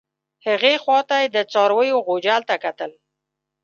هغې خوا ته یې د څارویو غوجل ته کتل.